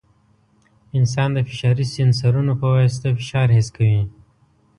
انسان د فشاري سینسرونو په واسطه فشار حس کوي.